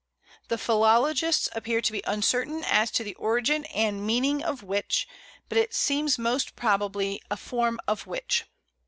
The philologists appear to be uncertain as to the origin and meaning of Wych, but it seems most probably a form of Witch.